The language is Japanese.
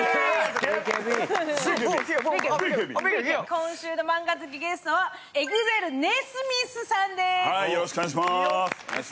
今週の漫画好きゲストはＥＸＩＬＥ・ＮＥＳＭＩＴＨさんです。